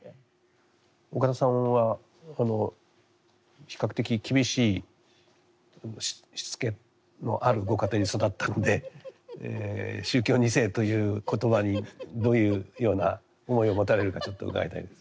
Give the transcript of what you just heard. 岡田さんは比較的厳しいしつけのあるご家庭に育ったので宗教２世という言葉にどういうような思いを持たれるかちょっと伺いたいです。